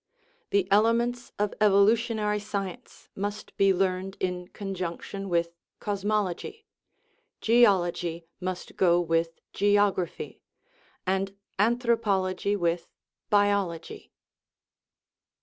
The elements of evolutionary science, must be learned in conjunction with cosmology, geology must go with geography, and anthropology with biology.